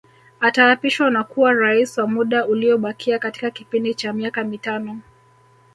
Ataapishwa na kuwa Rais wa muda uliobakia katika kipindi cha miaka mitano